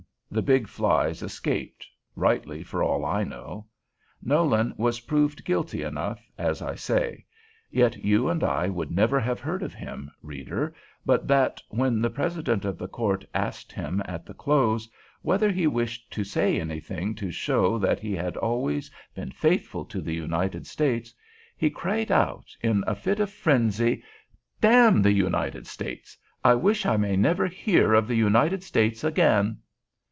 The big flies escaped, rightly for all I know. Nolan was proved guilty enough, as I say; yet you and I would never have heard of him, reader, but that, when the president of the court asked him at the close whether he wished to say anything to show that he had always been faithful to the United States, he cried out, in a fit of frenzy, "Damn the United States! I wish I may never hear of the United States again!"